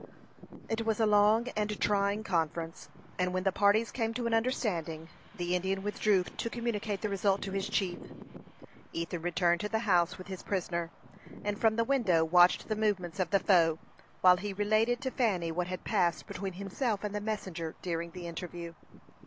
It was a long and trying conference, and when the parties came to an understanding, the Indian withdrew to communicate the result to his chief. Ethan returned to the house with his prisoner, and from the window watched the movements of the foe, while he related to Fanny what had passed between himself and the messenger during the interview.